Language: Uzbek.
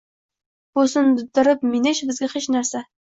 Bo’ysundirib minish – bizga hech narsa.